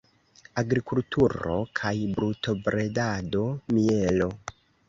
Agrikulturo kaj brutobredado; mielo.